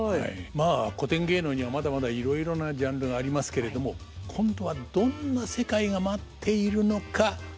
まあ古典芸能にはまだまだいろいろなジャンルがありますけれども今度はどんな世界が待っているのか大久保さん楽しみですね。